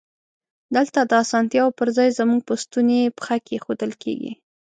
دلته د اسانتیاوو پر ځای زمونږ په ستونی پښه کېښودل کیږی.